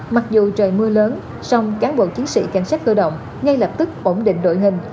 mặc dù trời mưa lớn song cán bộ chiến sĩ cảnh sát cơ động ngay lập tức ổn định đội hình